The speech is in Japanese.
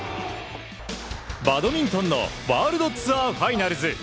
バドミントンのワールドツアーファイナルズ。